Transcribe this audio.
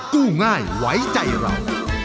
กู้ง่ายไว้ใจเรา